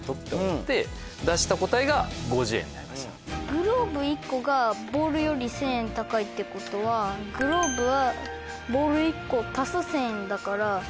グローブ１個がボールより１０００円高いってことはグローブはボール１個＋１０００円だから。